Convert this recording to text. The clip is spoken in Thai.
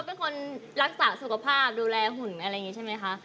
เป็นคนรักษาสุขภาพดูแลหุ่นอะไรอย่างนี้ใช่ไหมคะ